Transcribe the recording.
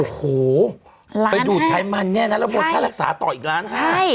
โอ้โหไปหยุดใช้มันแน่แล้วพอค่ารักษาต่ออีกล้านห้า